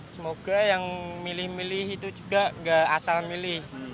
semoga yang milih milih itu juga nggak asal milih